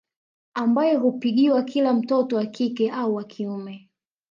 Ambayo hupigiwa kila mtoto wa kike au wa kiume